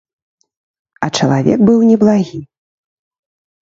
А чалавек быў неблагі.